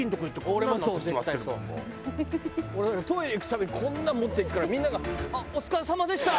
俺だからトイレ行くたびにこんなん持って行くからみんなが「お疲れさまでした！」。